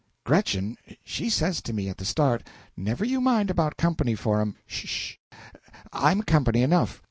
Gretchen, she says to me at the start, 'Never you mind about company for 'em,' sh she 'I'm company enough.'